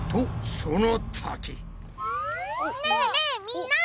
ねえねえみんな！